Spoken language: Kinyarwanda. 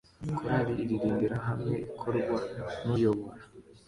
Korali iririmbira hamwe ikorwa nuyobora